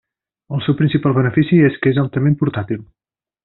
El seu principal benefici és que és altament portàtil.